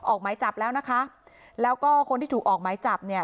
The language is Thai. ออกหมายจับแล้วนะคะแล้วก็คนที่ถูกออกหมายจับเนี่ย